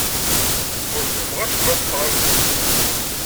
Ur fehhmeɣ acemma n tefṛensist.